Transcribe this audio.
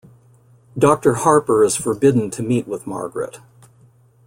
Doctor Harper is forbidden to meet with Margaret.